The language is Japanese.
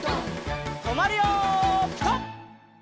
とまるよピタ！